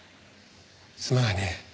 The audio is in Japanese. すまないね